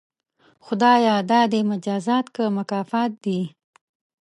خدایه دا دې مجازات که مکافات دي؟